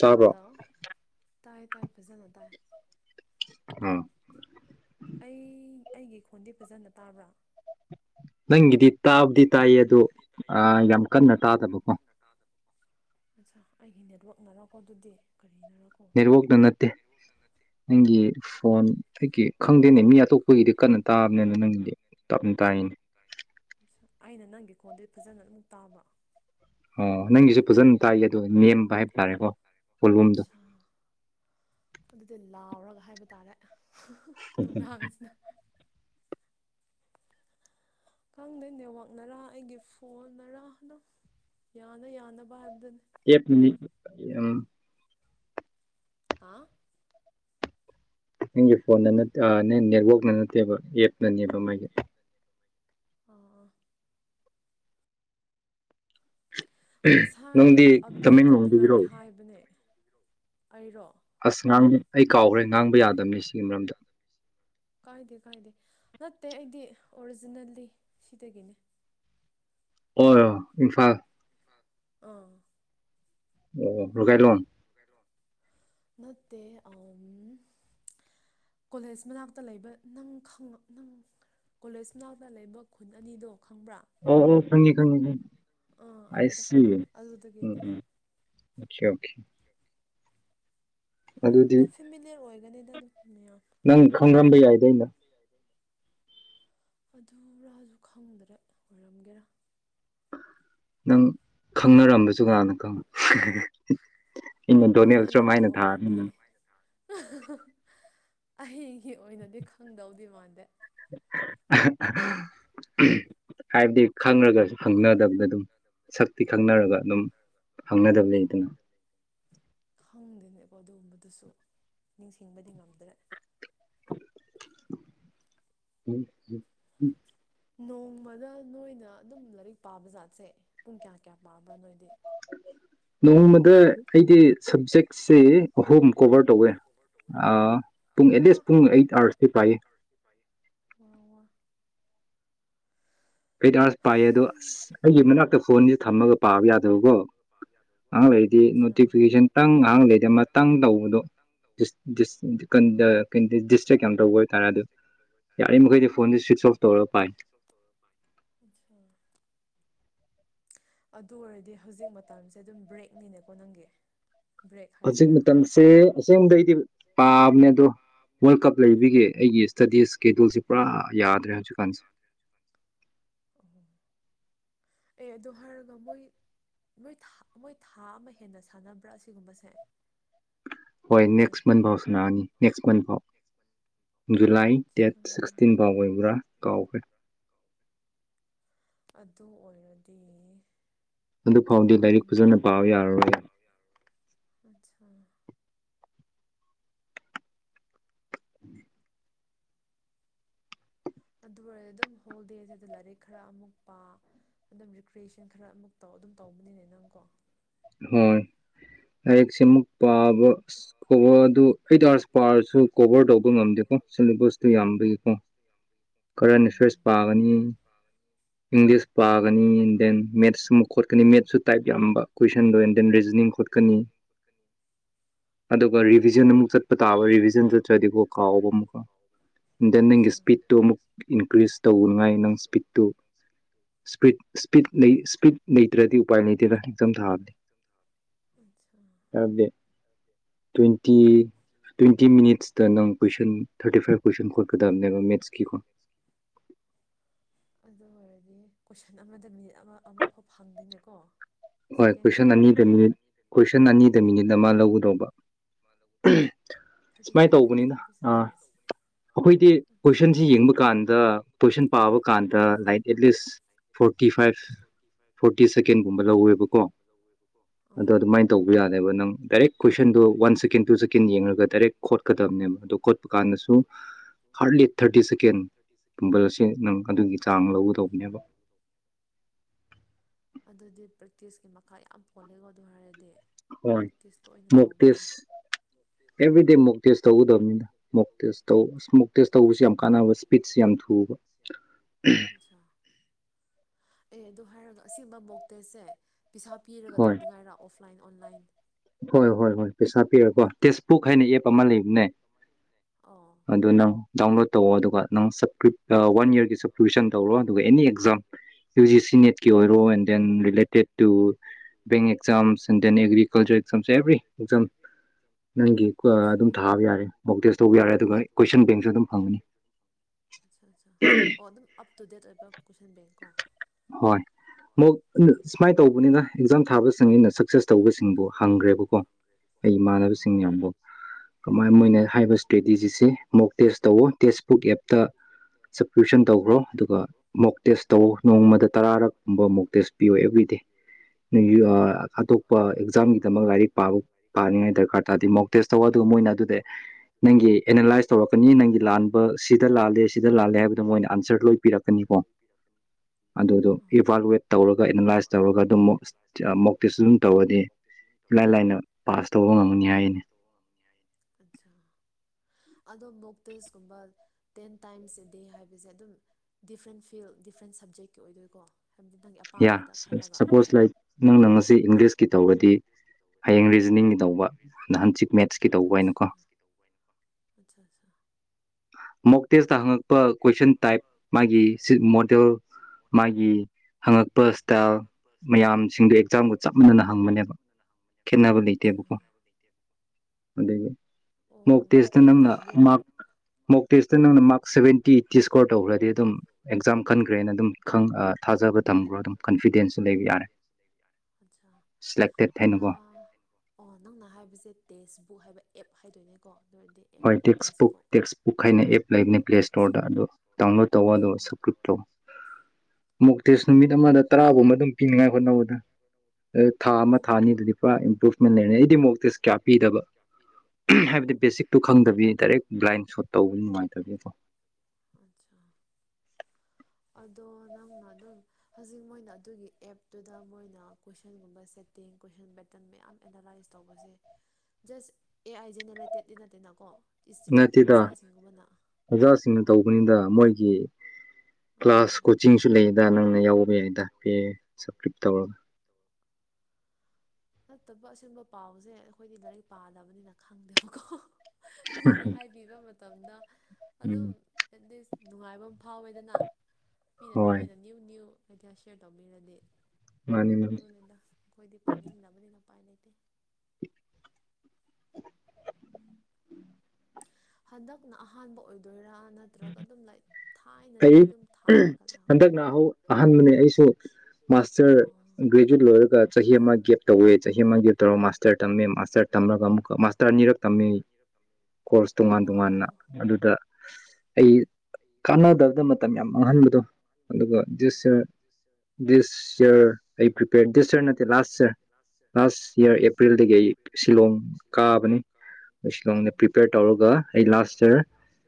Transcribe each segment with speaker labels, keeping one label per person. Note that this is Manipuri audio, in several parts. Speaker 1: ꯇꯥꯕ꯭ꯔꯣ
Speaker 2: ꯍꯜꯂꯣ ꯇꯥꯏ ꯇꯥꯏ ꯐꯖꯅ ꯇꯥꯏ
Speaker 1: ꯎꯝ
Speaker 2: ꯑꯩ ꯑꯩꯒꯤ ꯈꯣꯟꯗꯤ ꯐꯖꯅ ꯇꯥꯕ꯭ꯔꯥ
Speaker 1: ꯅꯪꯒꯤꯗꯤ ꯇꯥꯕꯨꯗꯤ ꯇꯥꯏꯌꯦ ꯑꯗꯣ ꯑ ꯌꯥꯝ ꯀꯟꯅ ꯇꯥꯗꯕꯀꯣ
Speaker 2: ꯑꯠꯆꯥ ꯑꯩꯒꯤ ꯅꯦꯠꯋꯥꯛꯅꯔꯀꯣ ꯑꯗꯨꯗꯤ ꯀꯔꯤꯅꯔꯀꯣ
Speaker 1: ꯅꯦꯠꯋꯥꯛꯇ ꯅꯠꯇꯦ ꯅꯪꯒꯤ ꯐꯣꯟ ꯑꯩꯒꯤ ꯈꯪꯗꯦꯅꯦ ꯃꯤ ꯑꯇꯣꯞ ꯄꯒꯤꯗꯤ ꯀꯟꯅ ꯇꯥꯕꯅꯤꯅ ꯅꯪꯒꯤꯗꯤ ꯇꯞꯅ ꯇꯥꯏꯅꯦ
Speaker 2: ꯑꯠꯆꯥ ꯑꯩꯅ ꯅꯪꯒꯤ ꯈꯣꯟꯗꯤ ꯐꯖꯅ ꯑꯗꯨꯝ ꯇꯥꯕ
Speaker 1: ꯑꯣ ꯅꯪꯒꯤꯁꯨ ꯐꯖꯅ ꯇꯥꯏꯌꯦ ꯑꯗꯣ ꯅꯦꯝꯕ ꯍꯥꯏꯕ ꯇꯥꯔꯦꯀꯣ ꯕꯣꯂꯨꯝꯗꯣ
Speaker 2: ꯑꯠꯁꯥ ꯑꯗꯨꯗꯤ ꯂꯥꯎꯔꯒ ꯍꯥꯏꯕ ꯇꯥꯔꯦ ꯅꯨꯡꯗꯥꯡꯁꯤꯅ ꯈꯪꯗꯦ ꯅꯦꯠꯋꯥꯛꯅꯔꯥ ꯑꯩꯒꯤ ꯐꯣꯟꯅꯔꯥ ꯑꯗꯨꯝ ꯌꯥꯅ ꯌꯥꯅꯕ ꯍꯥꯏꯕ
Speaker 1: ꯑꯦꯞ ꯃꯤꯅꯤꯠ ꯑ
Speaker 2: ꯍꯥ
Speaker 1: ꯅꯪꯒꯤ ꯐꯣꯟꯗ ꯅꯠ ꯅꯦꯠꯋꯥꯛꯅ ꯅꯠꯇꯦꯕ ꯑꯦꯞꯅꯅꯦꯕ ꯃꯥꯒꯤ
Speaker 2: ꯑꯣ ꯑꯣ ꯉꯁꯥꯏ
Speaker 1: ꯅꯪꯗꯤ
Speaker 2: ꯑꯞꯗꯦꯠ
Speaker 1: ꯇꯃꯦꯡꯂꯣꯡꯗꯒꯤꯔꯣ
Speaker 2: ꯇꯧꯅꯤꯡꯉꯥꯏꯗꯤ ꯍꯥꯏꯕꯅꯦ ꯑꯩꯔꯣ
Speaker 1: ꯑꯁ ꯉꯥꯡꯉꯦ ꯑꯩ ꯀꯥꯎꯈ꯭ꯔꯦ ꯉꯥꯡꯕ ꯌꯥꯗꯕꯅꯦ ꯁꯤꯒꯤ ꯃꯔꯝꯗ
Speaker 2: ꯀꯥꯏꯗꯦ ꯀꯥꯏꯗꯦ ꯅꯠꯇꯦ ꯑꯩꯗꯤ ꯑꯣꯔꯤꯖꯤꯅꯦꯜꯂꯤ ꯁꯤꯗꯒꯤꯅꯦ
Speaker 1: ꯑꯣ ꯏꯝꯐꯥꯜ
Speaker 2: ꯑꯥ
Speaker 1: ꯑꯣ ꯔꯣꯒꯥꯏꯂꯣꯟ
Speaker 2: ꯅꯠꯇꯦ ꯑꯝ ꯀꯣꯂꯦꯖ ꯃꯅꯥꯛꯇ ꯂꯩꯕ ꯅꯪ ꯈꯪꯔ ꯅꯪ ꯀꯣꯂꯦꯖ ꯃꯅꯥꯛꯇ ꯂꯩꯕ ꯈꯨꯟ ꯑꯅꯤꯗꯣ ꯈꯪꯕ꯭ꯔꯥ
Speaker 1: ꯑꯣ ꯑꯣ ꯈꯪꯉꯤ ꯈꯪꯉꯤ
Speaker 2: ꯑꯥ
Speaker 1: ꯑꯥꯢ
Speaker 2: ꯑꯗꯨꯗ
Speaker 1: ꯁꯤ ꯎꯝ
Speaker 2: ꯑꯗꯨꯗꯒꯤꯅꯦ
Speaker 1: ꯎꯝ ꯑꯣꯀꯦ ꯑꯣꯀꯦ ꯑꯗꯨꯗꯤ
Speaker 2: ꯑꯗꯨꯝ ꯐꯦꯃꯤꯂꯤꯔ ꯑꯣꯏꯒꯅꯤꯗ ꯑꯗꯨꯝ ꯃꯌꯥꯝ
Speaker 1: ꯅꯪ ꯈꯪꯔꯝꯕ ꯌꯥꯏꯗ ꯑꯩꯅ
Speaker 2: ꯑꯗꯨꯔꯥꯁꯨ ꯈꯪꯗ꯭ꯔ ꯑꯣꯏꯔꯝꯒꯦꯔꯥ
Speaker 1: ꯅꯪ ꯈꯪꯅꯔꯝꯕꯁꯨ ꯀꯅꯥ ꯈꯪ ꯏꯩꯅ ꯗꯣꯅꯦꯜ ꯇ꯭ꯔꯝ
Speaker 2: ꯑꯩꯒꯤ
Speaker 1: ꯍꯥꯏꯅ
Speaker 2: ꯑꯣꯏꯅꯗꯤ
Speaker 1: ꯊꯥꯕꯅꯦ
Speaker 2: ꯑꯩꯒꯤ ꯑꯣꯏꯅꯗꯤ ꯈꯪꯗꯧꯗꯤ ꯃꯥꯟꯗꯦ
Speaker 1: [unintelligible] ꯍꯥꯏꯕꯗꯤ ꯈꯪꯉꯒ ꯈꯪꯅꯗꯕꯗ ꯑꯗꯨꯝ ꯁꯛꯇꯤ ꯈꯪꯅꯔꯒ ꯑꯗꯨꯝ ꯍꯪꯅꯗꯕ ꯂꯩꯗꯅ
Speaker 2: ꯈꯪꯗꯦꯅꯦꯀꯣ ꯑꯗꯨꯒꯨꯝꯕꯗꯨꯁꯨ ꯅꯤꯡꯁꯤꯡꯕꯗꯤ ꯉꯝꯗ꯭ꯔꯦ
Speaker 1: ꯎꯝ ꯎꯝ ꯎꯝ
Speaker 2: ꯅꯣꯡꯃꯅ ꯅꯣꯏꯅ ꯑꯗꯨꯝ ꯂꯥꯏꯔꯤꯛ ꯄꯥꯕ ꯖꯥꯠꯁꯦ ꯄꯨꯡ ꯀꯌꯥ ꯀꯌꯥ ꯄꯥꯕ꯭ꯔꯥ ꯅꯣꯏꯅ
Speaker 1: ꯅꯣꯡꯃꯗ ꯑꯩꯗꯤ ꯁꯞꯖꯦꯛꯁꯦ ꯑꯍꯨꯝ ꯀꯣꯚꯔ ꯇꯧꯋꯦ ꯑꯣ ꯄꯨꯡ
Speaker 2: ꯋꯥ
Speaker 1: ꯑꯦꯠꯂꯤꯁ ꯄꯨꯡ ꯑꯩꯠ ꯑꯥꯋꯥꯔꯁꯇꯤ ꯄꯥꯏꯌꯦ
Speaker 2: ꯋꯥ ꯋꯥ
Speaker 1: ꯑꯩꯠ ꯑꯥꯋꯥꯔꯁ
Speaker 2: ꯑꯠꯆꯥ
Speaker 1: ꯄꯥꯏꯌꯦ ꯑꯗꯣ ꯑꯁ ꯑꯩꯒꯤ ꯃꯅꯥꯛꯇ ꯐꯣꯟꯁꯦ ꯊꯝꯃꯒ ꯄꯥꯕ ꯌꯥꯗꯕꯀꯣ ꯉꯍꯥꯛ ꯂꯩꯔꯗꯤ ꯅꯣꯇꯤꯐꯤꯀꯦꯁꯟꯇꯪ ꯉꯍꯥꯡ ꯂꯩꯔꯗꯤ ꯑꯃ ꯇꯪ ꯇꯧꯕꯗꯣ ꯗꯤꯁ ꯗꯤꯁ
Speaker 2: ꯑꯥ
Speaker 1: ꯀꯟ ꯑ ꯗꯤꯁꯇ꯭ꯔꯤꯛ ꯌꯥꯝ ꯇꯧꯕ ꯍꯥꯏꯇꯥꯔꯦ ꯑꯗꯨ ꯌꯥꯔꯤ ꯃꯈꯩꯗꯤ ꯐꯣꯟꯗꯨ ꯁ꯭ꯋꯤꯠꯆ ꯑꯣꯐ ꯇꯧꯔꯒ ꯄꯥꯏ
Speaker 2: ꯑꯗꯨ ꯑꯣꯏꯔꯗꯤ ꯍꯧꯖꯤꯛ ꯃꯇꯝꯁꯦ ꯑꯗꯨꯝ ꯕ꯭ꯔꯦꯛꯅꯤꯅꯦꯀꯣ ꯅꯪꯒꯤ ꯕ꯭ꯔꯦꯛ
Speaker 1: ꯍꯧꯖꯤꯛ
Speaker 2: ꯍꯥꯏꯁꯤꯔꯥ
Speaker 1: ꯃꯇꯝꯁꯦ ꯑꯁꯦꯡꯕꯗꯩꯗꯤ ꯄꯥꯕꯅꯦ ꯑꯗꯣ ꯋꯥꯔꯜ ꯀꯞ ꯂꯩꯕꯒꯤ ꯑꯩꯒꯤ ꯏꯁꯇꯗꯤꯁ ꯏꯁꯀꯦꯗꯨꯜꯁꯦ ꯄꯨꯔꯥ ꯌꯥꯗ꯭ꯔꯦ ꯍꯧꯖꯤꯛꯀꯥꯟꯁꯦ [inaudible]
Speaker 2: ꯑꯣ ꯑꯦ ꯑꯗꯣ ꯍꯥꯏꯔꯒ ꯃꯣꯏ ꯅꯣꯏ ꯃꯣꯏ ꯊꯥ ꯑꯃ ꯍꯦꯟꯅ ꯁꯥꯟꯅꯕ꯭ꯔꯥ ꯑꯁꯤꯒꯨꯝꯕꯁꯦ
Speaker 1: ꯍꯣꯏ
Speaker 2: ꯂꯥꯏꯛ
Speaker 1: ꯅꯦꯛꯁ ꯃꯟꯊ ꯐꯥꯎ ꯁꯅꯥꯔꯅꯤ ꯅꯦꯛꯁ ꯃꯟꯊ ꯐꯥꯎ ꯖꯨꯂꯥꯏ ꯗꯦꯠ ꯁꯤꯛꯁꯇꯤꯟ ꯐꯥꯎꯕꯩꯕ꯭ꯔꯥ ꯀꯥꯎꯈ꯭ꯔꯦ
Speaker 2: ꯑꯗꯨ ꯑꯣꯏꯔꯗꯤ
Speaker 1: ꯑꯗꯨ
Speaker 2: ꯊꯥ
Speaker 1: ꯐꯥꯎꯗꯤ ꯂꯥꯏꯔꯤꯛ
Speaker 2: ꯑꯃꯃꯨꯛ
Speaker 1: ꯐꯖꯅ ꯄꯥꯕ ꯌꯥꯔꯔꯣꯏ
Speaker 2: ꯑꯆꯥ
Speaker 1: [inaudible]
Speaker 2: ꯑꯗꯨ ꯑꯣꯏꯔꯗꯤ ꯑꯗꯨꯝ ꯍꯣꯜꯗꯦꯁ ꯍꯥꯏꯗ ꯂꯥꯏꯔꯤꯛ ꯈꯔ ꯑꯃꯨꯛ ꯄꯥ ꯑꯗꯨꯝ ꯔꯤꯀ꯭ꯔꯤꯌꯦꯁꯟ ꯈꯔ ꯑꯃꯨꯛ ꯇꯧ ꯑꯗꯨꯝ ꯇꯧꯕꯅꯤꯅꯦ ꯅꯪꯀꯣ
Speaker 1: ꯍꯣꯏ ꯂꯔꯤꯛꯁꯦ ꯑꯃꯨꯛ ꯄꯥꯕ ꯑꯁ ꯈꯨꯋꯥꯗꯣ ꯑꯩꯗꯣ ꯑꯥꯗ ꯄꯥꯔꯁꯨ ꯀꯣꯚꯔ ꯇꯧꯕ ꯉꯝꯗꯦꯀꯣ ꯁꯤꯂꯦꯕꯁꯇꯨ ꯌꯥꯝꯕꯒꯤꯀꯣ ꯈꯔꯅ
Speaker 2: ꯎꯝ
Speaker 1: ꯐ꯭ꯔꯦꯁ ꯄꯥꯒ ꯑꯅꯤ ꯏꯪꯂꯤꯁ ꯄꯥꯒꯅꯤꯟ ꯗꯦꯟ ꯃꯦꯠꯁ ꯑꯃꯨꯛ ꯈꯣꯠꯀꯅꯤ ꯃꯦꯠꯁꯁꯨ ꯇꯥꯏꯞ ꯌꯥꯝꯕ ꯀꯣꯏꯁꯟꯗꯣ ꯑꯦꯟ ꯗꯦꯟ ꯔꯤꯖꯅꯤꯡ ꯈꯣꯠꯀꯅꯤ ꯑꯗꯨꯒ
Speaker 2: ꯎꯝ
Speaker 1: ꯔꯤꯚꯤꯖꯟ ꯑꯃꯨꯛ ꯆꯠꯄ ꯇꯥꯕ ꯔꯤꯗꯟꯗꯣ ꯊꯥꯔꯇꯤꯐꯣꯔ ꯀꯥꯎꯕ ꯑꯃꯨꯛꯀ ꯗꯦꯟ ꯅꯪꯒꯤ
Speaker 2: ꯑꯠꯆꯥ
Speaker 1: ꯏꯁꯄꯤꯠꯇꯨ ꯑꯃꯨꯛ ꯏꯟꯀ꯭ꯔꯤꯖ ꯇꯧꯅꯤꯉꯥꯏ ꯅꯪ ꯏꯁꯄꯤꯠꯇꯨ ꯁ ꯄꯤꯠ ꯁ꯭ꯄꯤꯠ ꯂꯩ ꯁ꯭ꯄꯤꯠ ꯂꯩꯇ꯭ꯔꯗꯤ ꯎꯄꯥꯏ ꯂꯩꯗꯅ ꯑꯦꯛꯖꯥꯝ ꯊꯥꯕꯗꯤ
Speaker 2: ꯑꯠꯆꯥ
Speaker 1: ꯍꯥꯏꯗꯤ ꯇ꯭ꯋꯦꯟꯇꯤ ꯇ꯭ꯋ ꯐꯤꯐꯇꯤꯟ ꯃꯤꯅꯤꯠꯁꯇ ꯅꯪ ꯀꯣꯏꯁꯟ ꯊꯥꯔꯇꯤ ꯐꯥꯏꯚ ꯀꯣꯏꯁꯟ ꯈꯣꯠꯀꯗꯕꯅꯦꯕ ꯃꯦꯠꯁꯀꯤꯀꯣ [inaudible]
Speaker 2: ꯑꯗꯨ ꯑꯣꯏꯔꯗꯤ ꯀꯣꯏꯁꯟ ꯑꯃꯗ ꯃꯤꯅꯤꯠ ꯑꯃ ꯑꯃꯐꯥꯎ ꯐꯪꯗꯦꯅꯦꯀꯣ
Speaker 1: ꯍꯣꯏ ꯀꯣꯏꯁꯟ ꯑꯅꯤꯗ ꯃꯤꯅꯤꯠ ꯀꯣꯏꯁꯟ ꯑꯅꯤꯗ ꯃꯤꯅꯤꯠ ꯑꯃ ꯂꯧꯒꯗꯧꯕ
Speaker 2: ꯊꯥꯔꯇꯤ
Speaker 1: ꯁꯨꯃꯥꯏꯅ
Speaker 2: ꯁꯦꯀꯦꯟꯁ
Speaker 1: ꯇꯧꯕꯅꯤꯗ
Speaker 2: ꯊꯥꯔꯇꯤ
Speaker 1: ꯑꯥ
Speaker 2: ꯁꯦꯀꯦꯟꯁ
Speaker 1: ꯑꯈꯣꯏꯗꯤ
Speaker 2: ꯑꯠꯆꯥ
Speaker 1: ꯀꯣꯏꯁꯟꯁꯤ ꯌꯦꯡꯕ ꯀꯥꯟꯗ ꯀꯣꯏꯁꯟ ꯄꯥꯕ ꯀꯥꯟꯗ like at least forty five forty ꯁꯦꯀꯦꯟꯒꯨꯝꯕ ꯂꯧꯋꯦꯕꯀꯣ ꯑꯗꯣ
Speaker 2: ꯑꯥ
Speaker 1: ꯑꯗꯨꯃꯥꯏꯅ ꯇꯧꯕ ꯌꯥꯗꯦꯕ ꯅꯪ ꯗꯥꯏꯔꯦꯛ ꯀꯣꯏꯁꯟꯗꯣ ꯋꯥꯟ ꯁꯦꯀꯦꯟ ꯇꯨ ꯁꯦꯀꯦꯟ ꯌꯦꯡꯉꯒ ꯗꯥꯏꯔꯦꯛ ꯈꯣꯠꯀꯗꯕꯅꯦꯕ ꯑꯣ ꯈꯣꯠꯄ ꯀꯥꯟꯗꯁꯨ ꯍꯥꯔꯗꯂꯤ ꯊꯥꯔꯇꯤ ꯁꯦꯀꯦꯟ ꯄꯨꯝꯕꯜꯁ ꯅꯪ ꯑꯗꯨꯒꯤ ꯆꯥꯡ ꯂꯧꯒꯗꯧꯕꯅꯦꯕ
Speaker 2: ꯑꯗꯨꯗꯤ ꯄ꯭ꯔꯦꯛꯇꯤꯁꯀꯤ ꯃꯈꯥ ꯌꯥꯝ ꯄꯣꯜꯂꯦꯀꯣ ꯑꯗꯨ ꯍꯥꯏꯔꯗꯤ ꯄ꯭ꯔꯦꯛꯇꯤꯁꯇꯣ ꯑꯣꯏꯅ ꯇꯧꯕ
Speaker 1: ꯇꯦꯠꯁ ꯑꯦꯚ꯭ꯔꯤꯗꯦ ꯃꯣꯛ ꯇꯦ
Speaker 2: ꯑꯦꯕ꯭ꯔꯤꯗꯦ ꯃꯣꯛ ꯇꯦꯁ ꯇꯧꯒꯗꯕꯅꯤ ꯃꯣꯛ ꯇꯦꯁ
Speaker 1: ꯇꯧꯕꯁꯤ ꯌꯥꯝ
Speaker 2: ꯇꯧꯕꯁꯤꯅ ꯃꯣꯛ ꯇꯦꯁ
Speaker 1: ꯀꯥꯟꯅꯕ ꯏꯁꯄꯤꯠꯁꯤ
Speaker 2: ꯇꯧꯕꯁꯤꯅ ꯌꯥꯝ ꯀꯥꯟꯅꯕ
Speaker 1: ꯊꯨꯕ
Speaker 2: ꯁ꯭ꯄꯤꯠ ꯌꯥꯝ ꯍꯦꯟ ꯑꯆꯥ ꯑꯦ ꯑꯗꯨ ꯍꯥꯏꯔꯒ ꯑꯁꯤꯒꯨꯝꯕ ꯃꯣꯛ ꯇꯦꯁ ꯁꯦ ꯄꯩꯁꯥ ꯄꯤꯔꯒ
Speaker 1: ꯍꯣꯏ
Speaker 2: ꯇꯧꯅꯤꯡꯉꯥꯏꯔ ꯑꯣꯐꯤꯁ ꯑꯣꯐꯂꯥꯏꯟ ꯑꯣꯟꯂꯥꯏꯟ
Speaker 1: ꯍꯣꯏ ꯍꯣꯏ ꯍꯣꯏ ꯄꯩꯁꯥ ꯄꯤꯔꯀꯣ ꯇꯦꯛꯁꯕꯨꯛ ꯍꯥꯏꯅ ꯑꯦꯞ ꯑꯃ ꯂꯩꯕꯅꯦ
Speaker 2: ꯑꯣ
Speaker 1: ꯑꯗꯨ ꯅꯪ ꯗꯥꯎꯟꯂꯣꯗ ꯇꯧ ꯑꯗꯨꯒ ꯅꯪ ꯁꯀ꯭ꯔꯤꯞ ꯋꯥꯟ ꯌꯔꯒꯤ ꯁꯞꯁꯀ꯭ꯔꯤꯞꯁꯟ ꯇꯧꯔꯣ ꯑꯗꯨꯒ ꯑꯦꯅꯤ ꯑꯦꯛꯖꯥꯝ ꯌꯨ ꯖꯤ ꯁꯤ ꯁꯤꯅꯦꯠꯀꯤ ꯑꯣꯏꯔꯣ and then related to bank exams and then ꯑꯦꯒ꯭ꯔꯤ ꯑꯦꯚꯔꯤ ꯑꯦꯖꯝ ꯅꯪꯒꯤ
Speaker 2: ꯑꯠꯆꯥ
Speaker 1: ꯑꯗꯨꯝ ꯊꯥꯕ ꯌꯥꯔꯦ ꯕꯣꯛꯇꯦꯖ ꯇꯧꯕ ꯌꯥꯔꯦ ꯑꯗꯨꯒ ꯏꯀ꯭ꯋꯦꯁꯟ ꯕꯦꯡꯁꯨ ꯑꯗꯨꯝ ꯐꯪꯒꯅꯤ
Speaker 2: ꯑꯠ ꯑꯠꯆꯥ ꯑꯣ ꯑꯗꯨꯝ ꯑꯞ ꯇꯨ ꯗꯦꯠ ꯑꯣꯏꯕ ꯀꯣꯏꯁꯟ ꯀꯣ
Speaker 1: ꯍꯣꯏ ꯃꯣꯛ ꯁꯨꯃꯥꯏꯅ ꯇꯧꯕꯅꯤꯅ ꯑꯦꯛꯖꯥꯝ ꯊꯥꯕ ꯆꯪꯉꯅ ꯁꯛꯁꯦꯁ ꯇꯧꯕꯁꯤꯡ ꯕꯨ ꯍꯪꯈ꯭ꯔꯦꯕꯀꯣ ꯑꯩ
Speaker 2: ꯑꯥ
Speaker 1: ꯏꯃꯥꯟꯅꯕꯁꯤꯡ ꯌꯥꯝꯕꯨ ꯀꯃꯥꯏ ꯃꯣꯏꯅ ꯍꯥꯏꯕꯁꯤ ꯇ꯭ꯔꯦꯗꯤꯖꯤꯁꯦ ꯃꯣꯛ ꯇꯦꯁ ꯇꯧꯋꯣ ꯇꯦꯛꯁꯕꯨꯛ ꯑꯦꯞꯇ ꯁꯞꯁꯀ꯭ꯔꯤꯞꯁꯟ ꯇꯧꯈ꯭ꯔꯣ ꯑꯗꯨꯒ ꯃꯣꯛ ꯇꯦꯁ ꯇꯧꯋꯣ ꯅꯣꯡꯃꯗ ꯇꯔꯥꯔꯛꯀꯨꯝꯕ ꯃꯣꯛ ꯇꯦꯁ ꯄꯤꯌꯣ ꯑꯦꯕ꯭ꯔꯤꯗꯦ ꯑꯇꯣꯞ ꯄ ꯑꯦꯛꯖꯥꯝ ꯒꯤꯗꯃꯛ ꯂꯥꯏꯔꯤꯛ ꯄꯥꯕ ꯄꯥꯅꯤꯉꯥꯢ ꯗꯔꯀꯥꯔ ꯇꯥꯗꯦ ꯃꯣꯛ ꯇꯦꯁ ꯇꯧꯋꯣ ꯑꯗꯨꯒ ꯃꯣꯏꯅ ꯑꯗꯨꯗꯤ ꯅꯪꯒꯤ ꯑꯦꯅ ꯂꯥꯢꯁ ꯇꯧꯔꯛꯀꯅꯤ ꯅꯪꯒꯤ ꯂꯥꯟꯕ ꯁꯤꯗ ꯂꯥꯜꯂꯦ ꯁꯤꯗ ꯂꯥꯜꯂꯦ ꯍꯥꯏꯕꯗꯣ ꯃꯣꯏꯅ ꯑꯟꯁꯔ ꯂꯣꯏ ꯄꯤꯔꯛꯀꯅꯤꯀꯣ ꯑꯗꯨꯗꯣ
Speaker 2: ꯑꯥ
Speaker 1: ꯏꯚꯥꯂꯨꯋꯦꯠ ꯇꯧꯔꯒ ꯑꯦꯅꯥꯂꯥꯏꯁ ꯇꯧꯔꯒ ꯑꯗꯨꯝ ꯃꯣꯛ ꯃꯣꯛ ꯇꯦꯁꯁꯨ ꯑꯗꯨꯝ ꯇꯧꯔꯗꯤ ꯏꯂꯥꯏ ꯂꯥꯏꯅ ꯄꯥꯁ ꯇꯧꯕ ꯉꯝꯒꯅꯤ ꯍꯥꯏꯅꯦ
Speaker 2: ꯑꯠꯆꯥ ꯑꯗꯣ ꯃꯣꯛ ꯇꯦꯁꯀꯨꯝꯕ ꯇꯦꯟ ꯇꯥꯏꯝꯁ ꯑꯦ ꯗꯦ ꯍꯥꯏꯕꯁꯦ ꯑꯗꯨꯝ ꯗꯤꯐ꯭ꯔꯦꯟ ꯐꯤꯜ ꯗꯤꯐ꯭ꯔꯦꯟ ꯁꯞꯖꯦꯛꯀꯤ ꯑꯣꯏꯗꯣꯏꯀꯣ ꯍꯥꯏꯕꯗꯤ ꯅꯪꯒꯤ
Speaker 1: ꯌꯥ
Speaker 2: ꯑꯄꯥꯝꯕꯗ ꯈꯜꯂꯒ ꯑꯠꯆꯥ
Speaker 1: ꯁꯄꯣꯁ ꯂꯥꯏꯛ ꯅꯪꯅ ꯉꯁꯤ ꯏꯪꯂꯤꯁꯀꯤ ꯇꯧꯔꯗꯤ ꯍꯌꯦꯡ ꯔꯤꯖꯅꯤꯡꯒꯤ ꯇꯧꯕ ꯅꯍꯥꯟ ꯆꯤꯛ
Speaker 2: ꯑꯆꯥ ꯑꯆꯥ
Speaker 1: ꯃꯣꯛ ꯇꯦꯁꯇ ꯍꯪꯉꯛꯄ ꯀꯣꯏꯁꯟ ꯇꯥꯏꯞ ꯃꯥꯒꯤ ꯁꯤ ꯃꯣꯗꯦꯜ ꯃꯥꯒꯤ ꯍꯪꯉꯛꯄ ꯏꯁꯇꯥꯏꯜ ꯃꯌꯥꯝꯁꯤꯡꯗꯨ ꯑꯦꯛꯖꯥꯝꯒ ꯆꯞ ꯃꯥꯟꯅꯅ ꯍꯪꯕꯅꯦꯕ ꯈꯦꯠꯅꯕ ꯂꯩꯇꯦꯕꯀꯣ
Speaker 2: ꯑꯠꯆꯥ
Speaker 1: ꯑꯗꯒꯤ ꯃꯣꯛ
Speaker 2: ꯑꯣ
Speaker 1: ꯇꯦꯁꯇ ꯅꯪꯅ
Speaker 2: ꯍꯥꯏꯕꯗ
Speaker 1: ꯃꯥꯔꯛ ꯃꯣꯛ ꯇꯦꯁꯇ ꯅꯪꯅ mark seventy eighty score ꯇꯧꯈ꯭ꯔꯗꯤ ꯑꯗꯨꯝ ꯑꯦꯛꯖꯥꯝ ꯈꯟꯈ꯭ꯔꯦꯅ ꯑꯗꯨꯝ ꯊꯥꯖꯕ ꯊꯝꯈ꯭ꯔꯣ ꯑꯗꯨꯝ ꯀꯟꯐꯤꯗꯦꯟꯁ ꯂꯩꯕ ꯌꯥꯔꯦ
Speaker 2: ꯑꯠꯆꯥ
Speaker 1: ꯁꯂꯦꯛꯇꯦꯠ
Speaker 2: ꯍꯥ
Speaker 1: ꯍꯥꯢꯅꯀꯣ
Speaker 2: ꯑꯣ ꯅꯪꯅ ꯍꯥꯏꯕꯁꯦ ꯇꯦꯛꯁ ꯕꯨꯛ ꯍꯥꯏꯕ ꯑꯦꯞ ꯍꯥꯏꯗꯣꯏꯅꯦꯀꯣ ꯑꯣꯏꯔꯗꯤ ꯑꯦꯞ
Speaker 1: ꯍꯣꯏ text book
Speaker 2: textbook
Speaker 1: text book ꯈꯥꯏꯅ ꯑꯦꯞꯁ ꯂꯩꯕꯅꯦ ꯄ꯭ꯂꯦ
Speaker 2: ꯇꯦꯛꯁ
Speaker 1: ꯁ꯭ꯇꯣꯔ ꯗ ꯗꯥꯎꯟꯂꯣꯗ ꯇꯧꯑꯣ ꯑꯗꯨꯒ
Speaker 2: ꯑꯣ
Speaker 1: ꯁꯀ꯭ꯔ ꯇꯧ ꯃꯣꯛ ꯇꯦꯁ ꯅꯨꯃꯤꯠ ꯑꯃꯗ ꯇꯔꯥꯒꯨꯝꯕ ꯑꯗꯨꯝ ꯄꯤꯅꯤꯉꯥꯏ ꯍꯣꯠꯅꯑꯣꯗ ꯊꯥ ꯑꯃ ꯊꯥ ꯑꯅꯤꯗꯗꯤ ꯄꯨꯔꯥ ꯏꯝꯄ꯭ꯔꯨꯚꯃꯦꯟ ꯂꯩꯔꯅꯤ ꯑꯩꯗꯤ ꯃꯣꯛ ꯇꯦꯁ ꯀꯌꯥ ꯄꯤꯗꯕ ꯍꯥꯏꯕꯗꯤ ꯕꯦꯁꯤꯛ ꯇꯨ ꯈꯪꯗꯕꯤ ꯗꯥꯏꯔꯦꯛ ꯕ꯭ꯂꯥꯏꯟ ꯁꯣꯠ ꯇꯧꯕ ꯅꯨꯡꯉꯥꯏꯇꯕꯤꯀꯣ
Speaker 2: ꯑꯠꯆꯥ ꯑꯗꯣ ꯅꯪꯅ ꯑꯗꯨꯝ ꯍꯧꯖꯤꯛ ꯃꯣꯏꯅ ꯑꯗꯨꯒꯤ ꯑꯦꯞꯇꯨꯗ ꯃꯣꯏꯅ ꯀꯣꯏꯁꯟꯒꯨꯝꯕ ꯁꯦꯠꯇꯤꯡ ꯀꯣꯏꯁꯟ ꯄꯦꯇꯔꯟ ꯃꯌꯥꯝ ꯑꯦꯅꯥꯂꯥꯏꯁ ꯇꯧ ꯇꯧꯕꯖꯦ ꯖꯁ ꯑꯦ ꯑꯥꯏ ꯖꯦꯅꯦꯔꯦꯇꯦꯠꯀꯤ ꯅꯠꯇꯦꯅꯀꯣ ꯏꯟꯁꯇꯤꯇ꯭ꯌꯨꯠꯀꯤ
Speaker 1: ꯅꯠꯇꯦꯗ
Speaker 2: ꯑꯣꯖꯥꯁꯤꯡꯒꯨꯝꯕꯅ
Speaker 1: ꯑꯣꯖꯥꯁꯤꯡꯅ ꯇꯧꯕꯅꯤꯗ ꯃꯣꯏꯒꯤ
Speaker 2: ꯑꯠꯆꯥ
Speaker 1: ꯀ꯭ꯂꯥꯁ ꯀꯣꯆꯤꯡꯁꯨ ꯂꯩꯗ ꯅꯪꯅ ꯌꯥꯎꯕ ꯌꯥꯏꯗ ꯄ ꯁꯀ꯭ꯔꯤꯞ
Speaker 2: ꯎꯝ
Speaker 1: ꯇꯧꯔꯒ
Speaker 2: ꯅꯠꯇꯕ ꯑꯁꯤꯒꯨꯝꯕ ꯄꯥꯎꯁꯦ ꯑꯩꯈꯣꯏꯗꯤ ꯂꯥꯏꯔꯤꯛ ꯄꯥꯗꯕꯅꯤꯅ ꯈꯪꯗꯦꯕꯀꯣ ꯃꯤꯅ ꯍꯥꯏꯕꯤꯕ ꯃꯇꯝꯗ ꯑꯗꯨꯝ
Speaker 1: ꯎꯝ
Speaker 2: ꯑꯦꯠꯂꯤꯁ ꯅꯨꯡꯉꯥꯏꯕ ꯐꯥꯎꯋꯦꯗꯅ ꯃꯤꯅ
Speaker 1: ꯍꯣꯏ
Speaker 2: ꯑꯗꯨꯃꯥꯏꯅ ꯅꯤꯌꯨ ꯅꯤꯌꯨ ꯑꯥꯏꯗꯤꯌꯥ ꯁꯌꯔ ꯇꯧꯕꯤꯔꯗꯤ
Speaker 1: ꯃꯥꯅꯤ ꯃꯥꯅꯤ
Speaker 2: ꯑꯗꯨꯅꯤꯗ ꯑꯩꯈꯣꯏꯗꯤ ꯄꯥꯅꯤꯡꯗꯕꯗꯤ ꯎꯄꯥꯏ ꯂꯩꯇꯦ ꯍꯟꯗꯛꯅ ꯑꯍꯥꯟꯕ ꯑꯣꯏꯗꯣꯏꯔꯥ ꯅꯠꯇ꯭ꯔꯒ ꯑꯗꯨꯝ ꯂꯥꯏꯛ
Speaker 1: ꯑꯩ
Speaker 2: ꯊꯥꯏꯅꯗꯒꯤ ꯑꯗꯨꯝ ꯊꯥꯔꯒ ꯂꯥꯛ
Speaker 1: ꯍꯟꯗꯛꯅ ꯑꯍꯧ ꯑꯍꯥꯟꯕꯅꯦ ꯑꯩꯁꯨ ꯃꯥꯁꯇꯔ
Speaker 2: ꯑꯣ
Speaker 1: ꯒ꯭ꯔꯦꯖꯨꯋꯦꯠ ꯂꯣꯏꯔꯒ ꯆꯍꯤ ꯑꯃ ꯒꯦꯞ ꯇꯧꯋꯦ ꯆꯍꯤ ꯑꯃ ꯒꯦꯞ ꯇꯧꯔꯒ ꯃꯥꯁꯇꯔ ꯇꯝꯃꯦ ꯃꯥꯁꯇꯔ ꯇꯝꯔꯒ ꯑꯃꯨꯛꯀ ꯃꯥꯁꯇꯔ ꯑꯅꯤꯔꯛ ꯇꯝꯃꯦ ꯀꯣꯔꯁ ꯇꯣꯉꯥꯟ ꯇꯣꯉꯥꯟꯅ
Speaker 2: ꯋꯥꯎ
Speaker 1: ꯑꯗꯨꯗ ꯑꯩ ꯀꯥꯟꯅꯗꯕꯗ ꯃꯇꯝ ꯌꯥꯝ ꯃꯥꯡꯍꯟꯕꯗꯣ ꯑꯗꯨꯒ ꯗꯤꯁ ꯌꯔ ꯗꯤꯁ ꯌꯔ ꯑꯩ ꯄ꯭ꯔꯤꯄꯦꯌꯔ ꯗꯤꯁ ꯌꯔ ꯅꯠꯇꯦ ꯂꯥꯁ ꯌꯔ ꯂꯥꯁ ꯏꯌꯥꯔ ꯑꯦꯄ꯭ꯔꯤꯜꯗꯒꯤ ꯑꯩ ꯁꯤꯂꯣꯡ ꯀꯥꯕꯅꯤ
Speaker 2: ꯎꯝ
Speaker 1: ꯁꯤꯂꯣꯡꯗ ꯄ꯭ꯔꯤꯄꯦꯌꯔ ꯇꯧꯔꯒ ꯑꯩ ꯂꯥꯁ ꯏꯌꯔ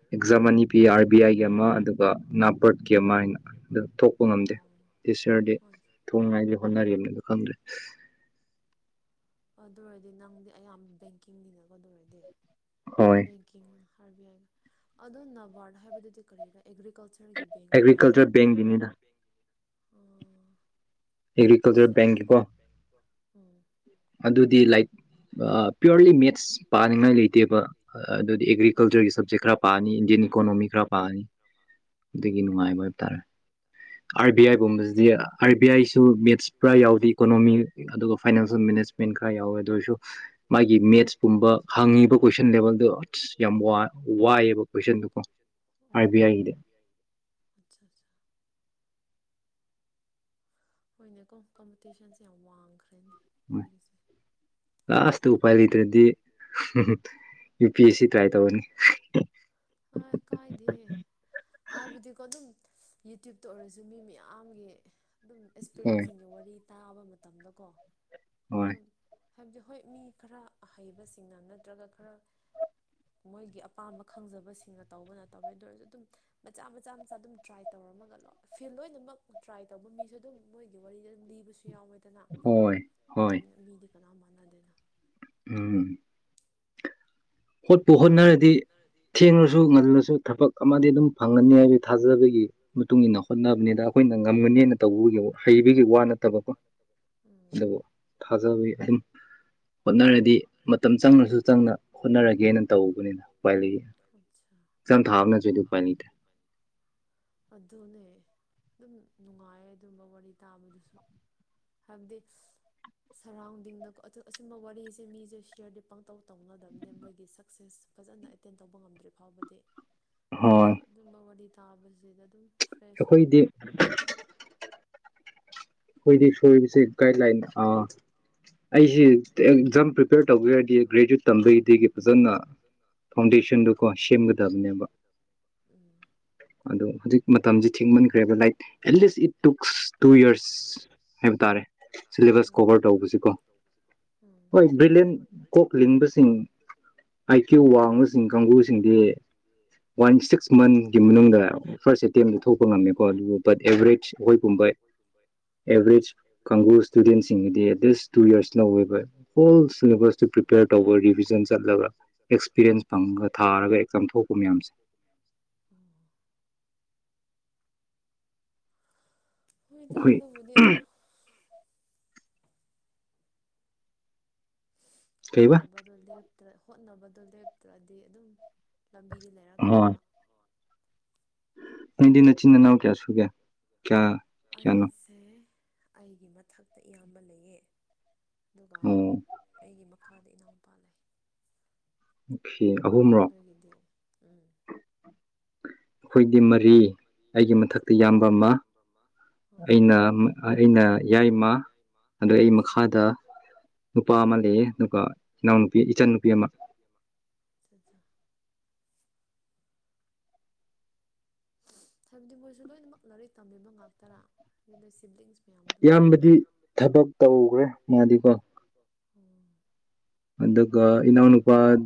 Speaker 2: ꯏꯌꯥꯔ
Speaker 1: ꯑꯦꯛꯖꯥꯝ ꯑꯅꯤ ꯄꯤ ꯑꯥꯔ ꯕꯤ ꯑꯥꯏ ꯒꯤ ꯑꯃ ꯑꯗꯨꯒ ꯅꯥꯄꯔꯠꯀꯤ ꯑꯃ ꯍꯥꯏꯅ ꯑꯗꯨ ꯊꯣꯛꯄ ꯉꯝꯗꯦ
Speaker 2: ꯑꯣ
Speaker 1: ꯗꯤꯁ ꯌꯔꯗꯤ
Speaker 2: ꯑꯠꯆꯥ
Speaker 1: ꯊꯣꯡꯅꯤꯉꯥꯏꯗꯤ ꯍꯣꯠꯅꯔꯤꯝꯅꯦ ꯑꯗꯨ ꯈꯪꯗ꯭ꯔꯦ
Speaker 2: ꯑꯗꯨ ꯑꯣꯏꯔꯗꯤ ꯅꯪꯗꯤ ꯑꯌꯥꯝꯕ ꯕꯦꯡꯀꯤꯡꯒꯤꯅ ꯀꯣ ꯑꯗꯨ ꯑꯣꯏꯔꯗꯤ
Speaker 1: ꯍꯣꯏ
Speaker 2: ꯕꯦꯡꯀꯤꯡ ꯑꯗꯣ ꯅꯕꯥꯔꯠ ꯍꯥꯏꯕꯗꯨꯗꯤ ꯀꯔꯤ ꯔꯥ ꯑꯦꯒ꯭ꯔꯤꯀꯜꯆꯔꯒꯤ ꯕꯦꯡ ꯑꯣꯏꯗꯥꯢꯅꯦ
Speaker 1: ꯑꯦꯒ꯭ꯔꯤꯀꯜꯆꯔ
Speaker 2: ꯑꯗꯨꯗꯤ
Speaker 1: ꯕꯦꯡꯒꯤꯅꯤꯗ
Speaker 2: ꯑꯆꯥꯆꯥ
Speaker 1: ꯑꯦꯒ꯭ꯔꯤꯀꯜꯆꯔ ꯕꯦꯡꯒꯤꯀꯣ
Speaker 2: ꯎꯝ
Speaker 1: ꯑꯗꯨꯗꯤ ꯂꯥꯏꯛ ꯄꯤꯌꯣꯔꯂꯤ ꯃꯦꯠꯁ ꯄꯥꯅꯤꯡꯉꯥꯏ ꯂꯩꯇꯦꯕ ꯑꯗꯨꯗꯤ
Speaker 2: ꯑꯆꯥ
Speaker 1: ꯑꯦꯒ꯭ꯔꯤꯀꯜꯆꯔꯒꯤ
Speaker 2: ꯑꯣ
Speaker 1: ꯁꯞꯖꯦꯛ
Speaker 2: ꯑꯆꯥ
Speaker 1: ꯈꯔ ꯄꯥꯅꯤ ꯏꯟꯖꯤꯟꯌꯔ ꯏꯀꯣꯅꯣꯃꯤ ꯈꯔ ꯄꯥꯅꯤ ꯑꯗꯨꯒꯤ ꯅꯨꯡꯉꯥꯏꯕ ꯍꯥꯏꯕ ꯇꯥꯔꯦ ꯑꯥꯔ ꯕꯤ ꯑꯥꯏꯒꯨꯝꯕꯁꯤꯗꯤ ꯑꯥꯔ ꯕꯤ ꯑꯥꯏꯁꯨ ꯃꯦꯠꯁ ꯄꯨꯔꯥ ꯌꯥꯎꯗꯦ ꯏꯀꯣꯅꯣꯃꯤ ꯑꯗꯨꯒ ꯐꯥꯏꯅꯥꯟꯁꯤꯌꯦꯜ ꯃꯦꯅꯦꯁ ꯃꯦꯟ ꯈꯔ ꯌꯥꯎꯋꯦ ꯑꯗꯨ ꯑꯣꯏꯔꯁꯨ ꯃꯥꯒꯤ ꯃꯦꯠꯁꯀꯨꯝꯕ ꯍꯪꯉꯤꯕ ꯀꯣꯏꯁꯟ ꯂꯦꯕꯦꯜꯗꯣ ꯑꯁ ꯌꯥꯝ ꯋꯥꯏ ꯋꯥꯏꯑꯦꯕ ꯀꯣꯏꯁꯟꯗꯨꯀꯣ
Speaker 2: ꯑꯣ
Speaker 1: ꯑꯥꯔꯕꯤ ꯑꯥꯏꯒꯤꯗꯤ
Speaker 2: ꯑꯠꯆꯥ ꯑꯠꯆꯥ ꯍꯣꯏꯅꯦꯀꯣ ꯀꯣꯝꯄꯤꯇꯤꯁꯟꯁꯦ ꯌꯥꯝ ꯋꯥꯡꯈ꯭ꯔꯦ
Speaker 1: ꯂꯥꯁꯇ ꯎꯄꯥꯏ ꯂꯩꯇ꯭ꯔꯗꯤ U P S C try ꯇꯧꯔꯅꯤ
Speaker 2: ꯑ ꯀꯥꯏꯗꯦ ꯍꯥꯏꯕꯤꯗꯤ ꯀꯣ ꯑꯗꯨꯝ ꯌꯨꯇ꯭ꯌꯨꯕꯇ ꯑꯣꯏꯔꯁꯨ ꯃꯤ ꯃꯌꯥꯝꯒꯤ ꯑꯗꯨꯝ
Speaker 1: ꯍꯣꯏ
Speaker 2: ꯑꯦꯛꯁꯄꯤꯔꯦꯟꯁꯤꯡꯒꯤ ꯋꯥꯔꯤ ꯇꯥꯕ ꯃꯇꯝꯗꯀꯣ
Speaker 1: ꯍꯣꯏ
Speaker 2: ꯑꯗꯨꯝ ꯍꯥꯏꯕꯗꯤ ꯍꯣꯏ ꯃꯤ ꯈꯔ ꯑꯍꯩꯕꯁꯤꯡꯅ ꯅꯠꯇ꯭ꯔꯒ ꯈꯔ ꯃꯣꯏꯒꯤ ꯑꯄꯥꯝꯕ ꯈꯪꯖꯕꯁꯤꯡꯅ ꯇꯧꯕꯅꯇꯧꯔꯦ ꯑꯗꯨ ꯑꯣꯏꯔꯁꯨ ꯑꯗꯨꯝ ꯃꯆꯥ ꯃꯆꯥ ꯃꯆꯥ ꯑꯗꯨꯝ ꯇ꯭ꯔꯥꯏ ꯇꯧ ꯔꯝꯃꯒ ꯂꯣꯢ ꯐꯤꯜ ꯂꯣꯏꯅꯃꯛ ꯇ꯭ꯔꯥꯏ ꯇꯧꯕ ꯃꯤꯁꯨ ꯑꯗꯨꯝ ꯃꯣꯏꯒꯤ ꯋꯥꯔꯤꯗ ꯑꯗꯨꯝ ꯂꯤꯕꯁꯨ ꯌꯥꯎꯋꯦ ꯗꯅ
Speaker 1: ꯍꯣꯏ
Speaker 2: ꯑꯗꯣ
Speaker 1: ꯍꯣꯏ
Speaker 2: ꯃꯤꯗꯤ ꯀꯅꯥꯝ ꯃꯥꯟꯅꯗꯦꯅ
Speaker 1: ꯎꯝ ꯍꯣꯠꯄꯨ ꯍꯣꯠꯅꯔꯗꯤ ꯊꯦꯡꯂꯁꯨ ꯉꯜꯂꯁꯨ ꯊꯕꯛ ꯑꯃꯗꯤ ꯑꯗꯨꯝ ꯐꯪꯒꯅꯤ ꯍꯥꯏꯕꯒꯤ ꯊꯥꯖꯕꯒꯤ ꯃꯇꯨꯡ ꯏꯟꯅ ꯍꯣꯠꯅꯕꯅꯤꯗ ꯑꯩꯈꯣꯏꯅ ꯉꯝꯒꯅꯤꯅ ꯇꯧꯕꯒꯤ ꯍꯩꯕꯒꯤ ꯋꯥ ꯅꯠꯇꯕꯀꯣ
Speaker 2: ꯎꯝ
Speaker 1: ꯑꯗꯨꯕꯨ ꯊꯥꯖꯕꯒꯤ ꯑꯗꯨꯝ ꯍꯣꯠꯅꯔꯗꯤ ꯃꯇꯝ ꯆꯪꯅꯁꯨ ꯆꯪꯅ ꯍꯣꯠꯅꯔ ꯇꯧꯕꯅꯤꯗ ꯎꯄꯥꯏ ꯂꯩꯌꯦ
Speaker 2: ꯑꯠꯆꯥ
Speaker 1: ꯑꯦꯛꯖꯥꯝ ꯊꯥꯕ ꯅꯠꯇ꯭ꯔꯗꯤ ꯎꯄꯥꯏ ꯂꯩꯇ꯭ꯔꯦ
Speaker 2: ꯑꯗꯨꯅꯦ ꯑꯗꯨꯝ ꯅꯨꯡꯉꯥꯏ ꯑꯗꯨꯝꯕ ꯋꯥꯔꯤ ꯇꯥꯕꯗꯨꯁꯨ ꯍꯥꯏꯕꯗꯤ ꯁꯔꯥꯎꯟꯗꯤꯡꯗꯀꯣ ꯑꯗꯣ ꯑꯁꯨꯝꯕ ꯋꯥꯔꯤꯁꯦ ꯃꯤꯁꯦ ꯁꯤꯌꯥꯔꯗꯤ ꯄꯪꯇꯧ ꯇꯧꯒꯗꯕꯅꯦ ꯃꯣꯏꯒꯤ ꯁꯛꯁꯦꯁ ꯐꯖꯅ ꯑꯦꯇꯦꯟ ꯇꯧꯕ ꯉꯝꯗ꯭ꯔꯤ ꯐꯥꯎꯕꯗꯤ ꯑꯗꯨ
Speaker 1: ꯍꯣꯏ
Speaker 2: ꯑꯣꯏꯔꯁꯨ ꯑꯗꯨꯝꯕꯥ ꯋꯥꯔꯤ ꯇꯥꯕꯁꯤꯗ ꯗꯨꯝ ꯐ꯭ꯔꯦꯁ ꯑꯣꯏ
Speaker 1: ꯑꯩꯈꯣꯏꯗꯤ ꯈꯣꯏꯗꯤ ꯁꯣꯏꯕꯁꯦ ꯒꯥꯏꯗꯂꯥꯏꯟ ꯑꯥ ꯑꯩꯁꯤ ꯑꯦꯛꯖꯥꯝ ꯄ꯭ꯔꯤꯄꯦꯌꯔ ꯇꯧꯕꯒꯤꯗꯤ ꯒ꯭ꯔꯦꯖꯨꯋꯦꯠ ꯇꯝꯕꯩꯒꯤ ꯐꯖꯅ ꯐꯥꯎꯟꯗꯦꯁ ꯁꯟꯗꯀꯣ ꯁꯦꯝꯒꯗꯕꯅꯦꯕ
Speaker 2: ꯎꯝ
Speaker 1: ꯑꯗꯣ ꯍꯧꯖꯤꯛ ꯃꯇꯝꯁꯤ ꯊꯦꯡꯃꯟꯈ꯭ꯔꯦꯕ like at least it takes two years ꯍꯥꯏꯕ ꯇꯥꯔꯦ ꯁꯤꯂꯦꯕꯁ
Speaker 2: ꯎꯝ
Speaker 1: ꯀꯣꯚꯔ ꯇꯧꯕꯁꯤꯀꯣ ꯍꯣꯏ ꯕ꯭ꯔꯤꯂꯤꯑꯟ ꯀꯣꯛꯂꯤꯡ
Speaker 2: [inaudible]
Speaker 1: ꯑꯥꯏ ꯀ꯭ꯌꯨ ꯋꯥꯡꯕꯁꯤꯡ ꯀꯥꯡꯕꯨꯁꯤꯡꯗꯤ ꯋꯥꯟ ꯁꯤꯛꯁ ꯃꯟꯒꯤ ꯃꯅꯨꯡꯗ ꯐꯥꯔꯁ ꯑꯦꯇꯦꯝ
Speaker 2: [unintelligible]
Speaker 1: ꯑꯦꯕꯔꯦꯖ ꯀꯥꯡꯕꯨ ꯏꯁꯇꯨꯗꯦꯟꯁꯤꯡꯒꯤꯗꯤ ꯑꯦꯠ ꯂꯤꯁ ꯇꯨ ꯌꯔꯁ ꯂꯧꯋꯦꯕ ꯍꯣꯜ ꯁꯤꯂꯦꯕꯁꯇꯨ ꯄ꯭ꯔꯤꯄꯦꯌꯔ ꯇꯧ ꯇꯧꯕ ꯔꯤꯚꯤꯖꯟ ꯆꯠꯂꯒ ꯑꯦꯛꯁꯄꯤꯔꯤꯌꯦꯟꯁ ꯐꯪꯉꯒ ꯊꯥꯔꯒ ꯑꯦꯛꯖꯥꯝ ꯊꯣꯛꯄ ꯃꯌꯥꯝꯁꯦ [inaudible]
Speaker 2: ꯍꯣꯏꯗ ꯑꯗꯕꯨꯗꯤ ꯑꯗꯣ
Speaker 1: ꯑꯩꯈꯣꯏ ꯀꯩꯕ
Speaker 2: ꯍꯣꯠꯅꯕꯗꯣ ꯂꯦꯞꯇ꯭ꯔ ꯍꯣꯠꯅꯕꯗꯣ ꯂꯦꯞꯇ꯭ꯔꯗꯤ ꯑꯗꯨꯝ ꯂꯝꯕꯤꯗꯤ
Speaker 1: ꯍꯣꯏ
Speaker 2: ꯂꯩꯔꯛꯀꯅꯤꯕ
Speaker 1: ꯅꯪꯗꯤ ꯅꯆꯤꯟ ꯅꯅꯥꯎ ꯀꯌꯥ ꯁꯨꯒꯦ ꯀꯌꯥ ꯀꯌꯥꯅꯣ
Speaker 2: ꯑꯩꯁꯦ ꯑꯩꯒꯤ ꯃꯊꯛꯇ ꯏꯌꯥꯝꯕ ꯂꯩꯌꯦ ꯑꯗꯨꯒ
Speaker 1: ꯑꯣ
Speaker 2: ꯑꯩꯒꯤ ꯃꯈꯥꯗ ꯏꯅꯥꯎꯄꯥ ꯂꯩ
Speaker 1: ꯑꯣꯀꯦ ꯑꯍꯨꯝꯔꯣ
Speaker 2: ꯅꯣꯏꯒꯤꯗꯤ ꯎꯝ ꯑꯣ
Speaker 1: ꯑꯩꯈꯣꯏꯗꯤ ꯃꯔꯤ ꯑꯩꯒꯤ ꯃꯊꯛꯇ ꯏꯌꯥꯝꯕ ꯑꯃ ꯑꯩꯅ ꯑꯩꯅ ꯌꯥꯏꯃ ꯑꯗꯣ ꯑꯩ
Speaker 2: ꯑꯠꯆꯥ ꯑꯠꯆꯥ
Speaker 1: ꯃꯈꯥꯗ ꯅꯨꯄꯥ ꯑꯃ ꯂꯩꯌꯦ ꯑꯗꯨꯒ ꯏꯅꯥꯎꯅꯨꯄꯤ ꯏꯆꯟ ꯅꯨꯄꯤ ꯑꯃ
Speaker 2: ꯑꯆꯥꯆꯥ ꯍꯥꯏꯕꯗꯤ ꯃꯣꯏꯁꯨ ꯂꯣꯏꯅꯃꯛ ꯂꯥꯏꯔꯤꯛ ꯇꯝꯕꯤꯕ ꯉꯥꯛꯇꯔꯥ ꯁꯤꯕ꯭ꯂꯤꯡꯁ ꯅꯌꯥꯝꯗꯣ
Speaker 1: ꯏꯌꯥꯝꯕꯗꯤ ꯊꯕꯛ ꯇꯧꯈ꯭ꯔꯦ
Speaker 2: ꯎꯝ
Speaker 1: ꯑꯗꯨꯗꯒ ꯏꯅꯥꯎꯄꯥꯗꯤ